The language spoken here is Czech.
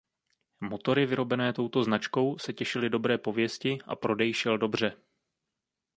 Motory vyrobené touto značkou se těšily dobré pověsti a prodej šel dobře.